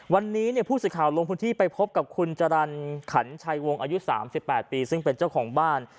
วันนี้ผู้สื่อข่าวลงพื้นที่ไปพบกับคุณจรรย์ขันชัยวงอายุ๓๘ปีซึ่งเป็นเจ้าของบ้าน